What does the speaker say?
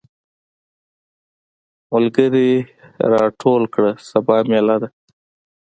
ملګري راټول کړه سبا ميله ده.